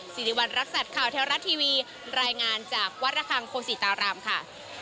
สิริวัณรักษัตริย์ข่าวเทวรัฐทีวีรายงานจากวัดระคังโคศิตารามค่ะ